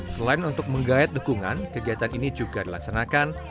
selain untuk menggayat dukungan kegiatan ini juga dilaksanakan